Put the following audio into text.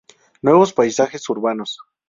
Nuevos paisajes urbanos.